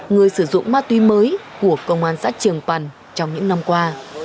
người sử dụng ma tuy mới của công an xã trường bằn trong những năm qua